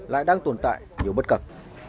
lại đang tồn tại nhiều bất cập